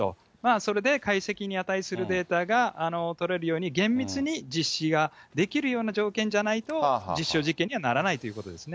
それで解析に値するデータが取れるように、厳密に実施ができるような条件じゃないと、実証実験にはならないということですね。